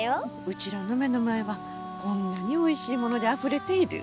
うちらの目の前はこんなにおいしいものであふれている。